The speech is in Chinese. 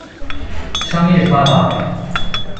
商业发达。